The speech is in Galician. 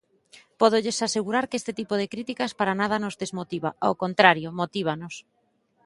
Pódolles asegurar que este tipo de críticas para nada nos desmotiva; ao contrario, motívanos.